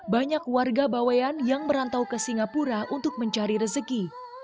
banyak warga bawayan yang merantau ke singapura untuk mencari rezeki